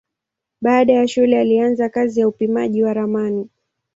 Baada ya shule alianza kazi ya upimaji na ramani.